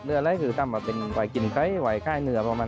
เลือดหลายถึงทำลายเป็นไหว้กินไก๊ไหว้ใกล้เหนือบางมัน